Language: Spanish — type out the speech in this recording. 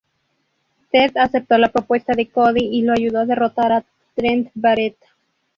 Ted aceptó la propuesta de Cody y lo ayudó a derrotar a Trent Barreta.